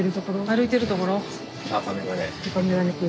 歩いてるところ？